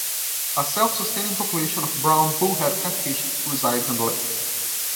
A self-sustaining population of brown bullhead catfish resides in the lake.